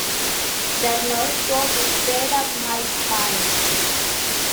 That noise goes straight up my spine.